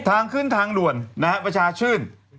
ทางขึ้นทางหลวนประชาชื่น